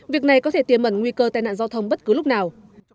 việc này có thể tiềm mẩn nguy cơ tai nạn giao thông bất cứ lúc nào